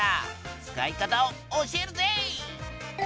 使い方を教えるぜ！